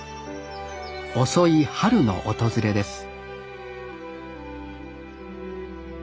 遅い春の訪れです